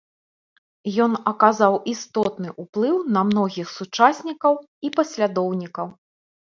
Ён аказаў істотны ўплыў на многіх сучаснікаў і паслядоўнікаў.